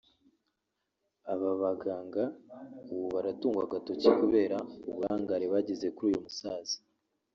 Aba baganga ubu baratungwa agatoki kubera uburangare bagize kuri uyu musaza